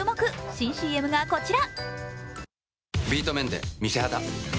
新ＣＭがこちら。